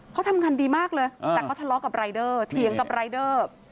เขาทำงานดีมากเลยแต่เขาทะเลาะกับรายเดอร์เถียงกับรายเดอร์